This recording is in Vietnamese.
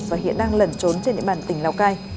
và hiện đang lẩn trốn trên địa bàn tỉnh lào cai